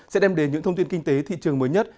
sẽ đem đến những thông tin kinh tế thị trường mới nhất